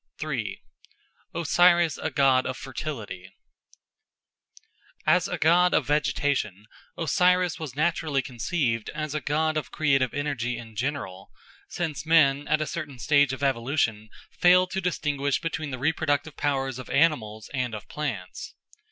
3. Osiris a God of Fertility AS A GOD of vegetation Osiris was naturally conceived as a god of creative energy in general, since men at a certain stage of evolution fail to distinguish between the reproductive powers of animals and of plants.